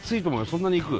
そんなにいく？